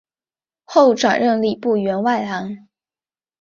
后转任礼部员外郎。